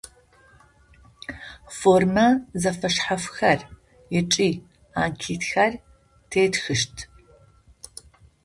Формэ зэфэшъхьафхэр ыкӏи анкетхэр тетхыщт.